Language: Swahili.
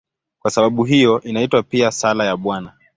Kwa sababu hiyo inaitwa pia "Sala ya Bwana".